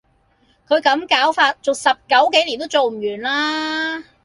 佢咁攪法，做十九幾年都做唔完啦